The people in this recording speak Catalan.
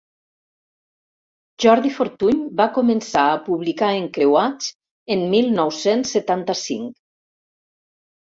Jordi Fortuny va començar a publicar encreuats en mil nou-cents setanta-cinc.